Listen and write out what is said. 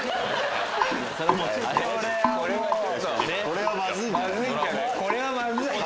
これはまずいぞ！